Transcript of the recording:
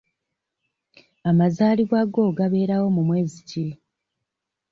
Amazaalibwa go gabeerawo mu mwezi ki?